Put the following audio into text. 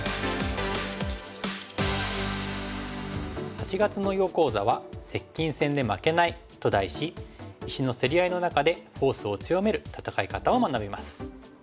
８月の囲碁講座は「接近戦で負けない」と題し石の競り合いの中でフォースを強める戦い方を学びます。